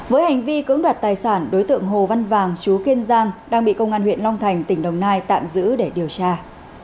với hành vi cưỡng đoạt tài sản đối tượng hồ văn vàng chú kiên giang đang bị công an huyện long thành tỉnh đồng nai tạm giữ để điều tra